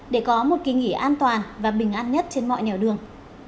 để có một kỳ nghỉ an toàn và bình an nhất trên mọi nẻo đường